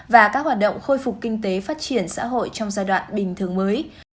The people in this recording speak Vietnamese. và các hoạt động khôi phục kinh tế phát triển xã hội trong giai đoạn bình thường mới